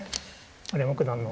丸山九段の。